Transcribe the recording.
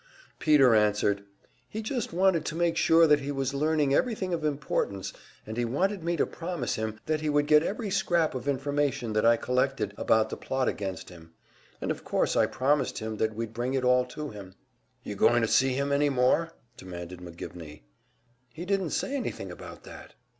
Peter answered, "He just wanted to make sure that he was learning everything of importance, and he wanted me to promise him that he would get every scrap of information that I collected about the plot against him; and of course I promised him that we'd bring it all to him." "You going to see him any more?" demanded McGivney. "He didn't say anything about that."